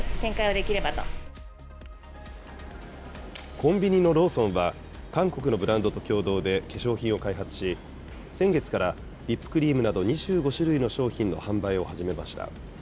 コンビニのローソンは、韓国のブランドと共同で化粧品を開発し、先月からリップクリームなど２５種類の商品の販売を始めました。